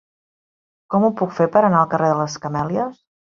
Com ho puc fer per anar al carrer de les Camèlies?